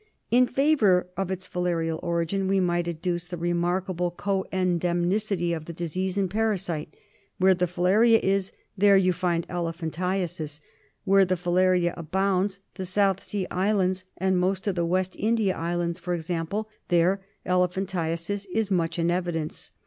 In favour of its filarial origin we might adduce the remarkable coendemicity of disease and parasite. Where the filaria is, there you find elephantiasis. Where the filaria abounds, the South Sea Islands, and most of the West India Islands, for example, there elephantiasis is much in evidence.